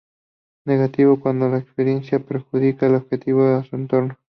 Negativo cuando la experiencia perjudica al sujeto o su entorno.